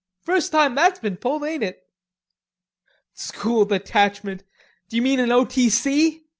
First time that's been pulled, ain't it?" "School Detachment. D'you mean an O. T. C?"